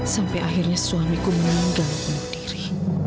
sampai akhirnya suamiku meninggal bersendiri